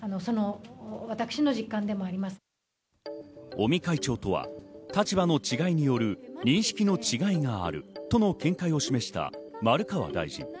尾身会長とは、立場の違いによる認識の違いがあるとの見解を示した丸川大臣。